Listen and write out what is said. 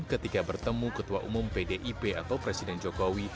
ketika bertemu ketua umum pdip atau presiden jokowi